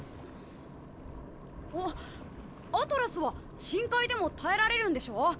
あっアトラスは深海でも耐えられるんでしょ？